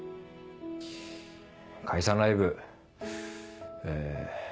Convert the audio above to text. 解散ライブえ